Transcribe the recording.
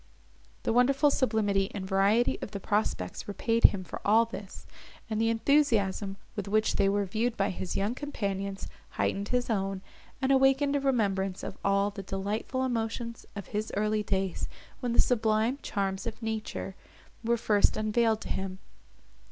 The wonderful sublimity and variety of the prospects repaid him for all this, and the enthusiasm, with which they were viewed by his young companions, heightened his own, and awakened a remembrance of all the delightful emotions of his early days, when the sublime charms of nature were first unveiled to him.